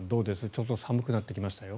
ちょっと寒くなってきましたよ。